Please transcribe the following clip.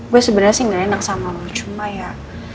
gue sebenernya sih ga enak sama lo cuma ya